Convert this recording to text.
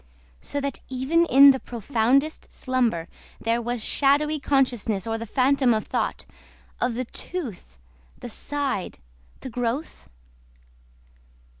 So that even in profoundest slumber There was shadowy consciousness or the phantom of thought Of the tooth, the side, the growth?